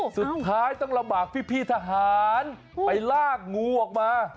สุดท้ายต้องลำบากพี่ทหารไปลากงูออกมา